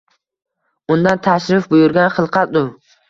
Undan tashrif buyurgan xilqat u.